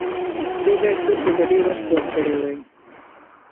دوی باید توکو ته ډیر وخت ورکړی وای.